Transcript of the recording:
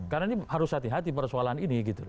karena ini harus hati hati persoalan ini